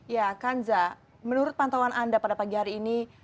ya kanza menurut pantauan anda pada pagi hari ini